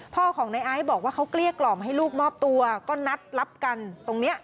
พ่อของในไอซ์บอกว่าเขาเกลี้ยกล่อมให้ลูกมอบตัวก็นัดรับกันตรงนี้